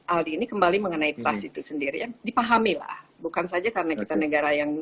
aldi ini kembali mengenai trust itu sendiri yang dipahamilah bukan saja karena kita negara yang